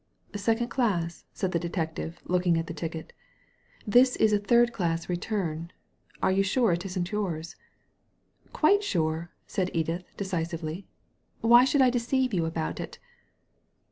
^ Second dass/' said the detective, looking at the ticket ; "this is a third class return. Are you sure it isn't yours ?" "Quite sure" said Edith, decisively. Why should I deceive you about it?